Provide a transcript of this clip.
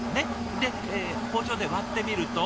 で包丁で割ってみると。